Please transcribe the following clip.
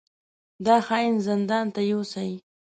دا خاين زندان ته يوسئ!